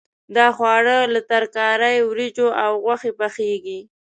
دا خواړه له ترکارۍ، وریجو او غوښې پخېږي.